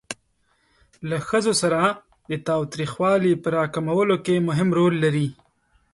له ښځو سره د تاوتریخوالي په را کمولو کې مهم رول لري.